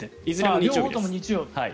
両方とも日曜日。